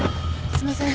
すいません。